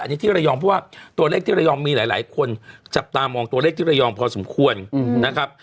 อันนี้ที่ระยองเพราะว่าตัวเลขที่ระยองมีหลายคนจับตามองตัวเลขที่ระยองพอสมควรนะครับ